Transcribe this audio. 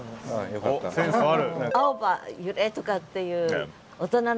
おっセンスある。